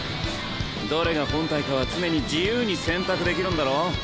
どれが本体かは常に自由に選択できるんだろ？